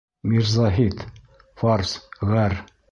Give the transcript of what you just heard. Мирзаһит фарс., ғәр.